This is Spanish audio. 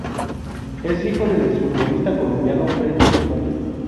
Es hijo del ex futbolista colombiano Freddy Rincón.